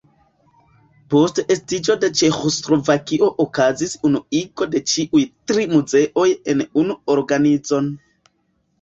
Post estiĝo de Ĉeĥoslovakio okazis unuigo de ĉiuj tri muzeoj en unu organizon.